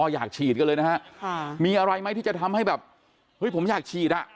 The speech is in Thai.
อยากฉีดกันเลยนะฮะมีอะไรไหมที่จะทำให้แบบเฮ้ยผมอยากฉีดอ่ะ